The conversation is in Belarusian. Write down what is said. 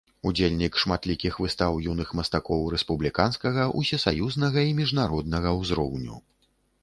Удзельнік шматлікіх выстаў юных мастакоў рэспубліканскага, усесаюзнага і міжнароднага ўзроўню.